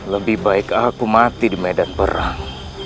lebih baik aku mati di medan perang